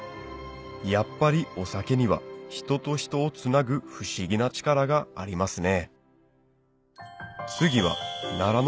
やっぱりお酒には人と人をつなぐ不思議な力がありますね